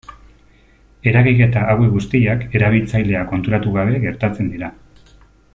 Eragiketa hauek guztiak erabiltzailea konturatu gabe gertatzen dira.